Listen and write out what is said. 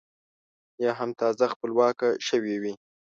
یا هم تازه خپلواکه شوې وي.